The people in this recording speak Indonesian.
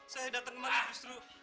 saya datang kemana justru